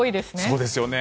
そうですよね。